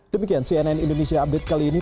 demikian cnn indonesia update kali ini